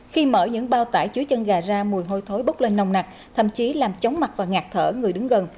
khi mở những bao tải chứa chân gà ra mùi hôi thối bốc lên nồng nặc thậm chí làm chóng mặt và ngạt thở người đứng gần